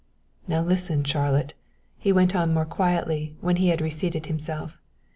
"Now listen, Charlotte," he went on more quietly, when he had reseated himself.